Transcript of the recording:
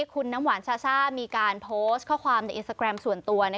คุณน้ำหวานซาซ่ามีการโพสต์ข้อความในอินสตาแกรมส่วนตัว